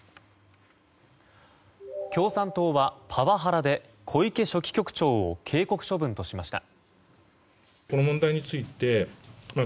共産党はパワハラで小池書記局長を警告処分としました。